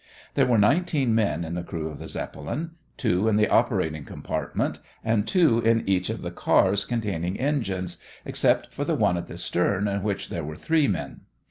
There were nineteen men in the crew of the Zeppelin two in the operating compartment, and two in each of the cars containing engines, except for the one at the stern in which there were three men.